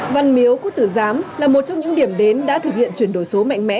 văn miếu quốc tử giám là một trong những điểm đến đã thực hiện chuyển đổi số mạnh mẽ